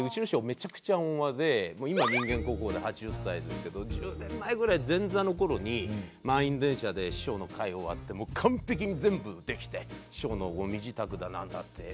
めちゃくちゃ温和でもう今は人間国宝で８０歳ですけど１０年前ぐらい前座の頃に満員電車で師匠の会終わってもう完璧に全部できて師匠の身支度だなんだって。